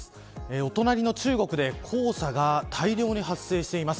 お隣の中国で黄砂が大量に発生しています。